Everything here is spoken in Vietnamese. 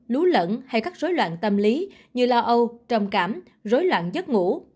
lú lẫn hay các rối loạn tâm lý như lao âu trầm cảm rối loạn giấc ngủ